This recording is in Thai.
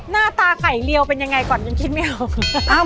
หน้าตาไก่เรียวเป็นยังไงก่อนยังคิดไม่ออก